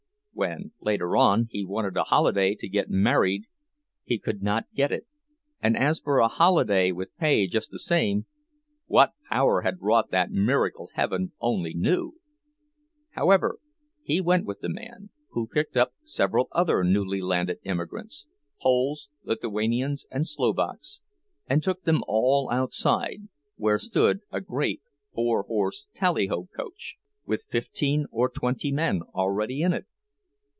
When, later on, he wanted a holiday to get married he could not get it; and as for a holiday with pay just the same—what power had wrought that miracle heaven only knew! However, he went with the man, who picked up several other newly landed immigrants, Poles, Lithuanians, and Slovaks, and took them all outside, where stood a great four horse tallyho coach, with fifteen or twenty men already in it.